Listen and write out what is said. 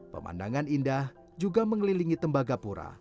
pemandangan indah juga mengelilingi tembagapura